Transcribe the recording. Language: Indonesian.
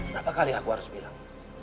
berapa kali aku harus bilang